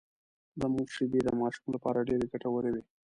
د مور شېدې د ماشوم لپاره ډېرې ګټورې وي